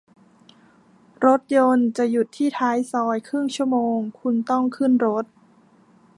รถยนต์จะหยุดที่ท้ายซอยครึ่งชั่วโมง คุณต้องขึ้นรถ